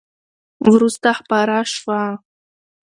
وروسته خپره شوه !